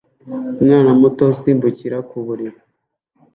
Umwana muto usimbukira ku buriri